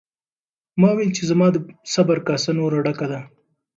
ما وویل چې زما د صبر کاسه نوره ډکه ده.